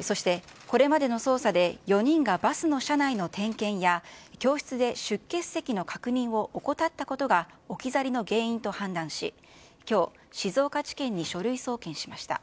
そしてこれまでの捜査で４人がバスの車内の点検や、教室で出欠席の確認を怠ったことが、置き去りの原因と判断し、きょう、静岡地検に書類送検しました。